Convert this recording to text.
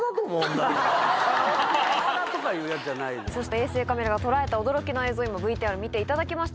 衛星カメラが捉えた驚きの映像ＶＴＲ見ていただきましたけれども。